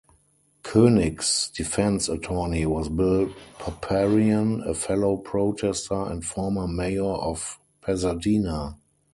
Koenig's defense attorney was Bill Paparian, a fellow protester and former mayor of Pasadena.